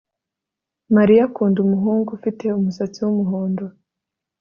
Mariya akunda umuhungu ufite umusatsi wumuhondo